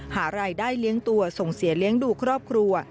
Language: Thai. หารายได้เลี้ยงตัวส่งเสียเลี้ยงดูครอบครัว